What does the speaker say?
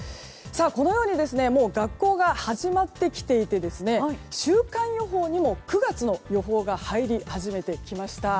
このように学校が始まってきていて週間予報にも９月の予報が入り始めてきました。